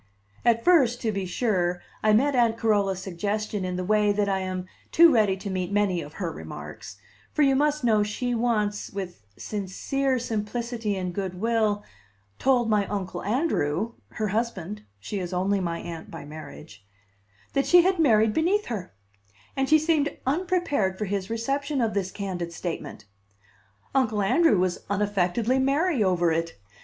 At first, to be sure, I met Aunt Carola's suggestion in the way that I am too ready to meet many of her remarks; for you must know she once, with sincere simplicity and good will, told my Uncle Andrew (her husband; she is only my Aunt by marriage) that she had married beneath her; and she seemed unprepared for his reception of this candid statement: Uncle Andrew was unaffectedly merry over it.